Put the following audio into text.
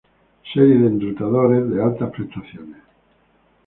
Serie de enrutadores, de altas prestaciones.